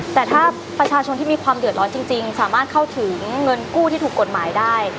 แต่ถ้าประชาชนที่มีความเดือดร้อนจริงสามารถเข้าถึงเงินกู้ที่ถูกกฎหมายได้